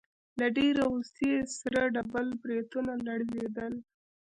له ډېرې غوسې يې سره ډبل برېتونه لړزېدل.